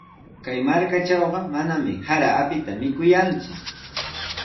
Kay markatrawqa manami sara apita mikuyanku.